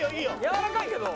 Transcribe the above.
やわらかいけど。